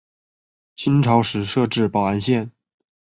金朝时设置保安县。